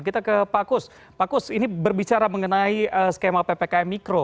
kita ke pak kus pak kus ini berbicara mengenai skema ppkm mikro